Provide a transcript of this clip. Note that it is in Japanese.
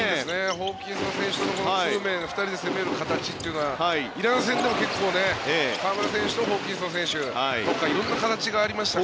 ホーキンソン選手との２人で攻める形というのはイラン戦でも結構河村選手とホーキンソン選手で色んな形がありましたね。